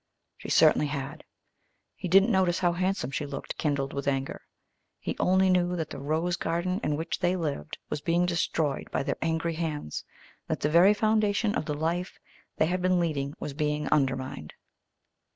She certainly had. He didn't notice how handsome she looked kindled with anger. He only knew that the rose garden in which they lived was being destroyed by their angry hands; that the very foundation of the life they had been leading was being undermined.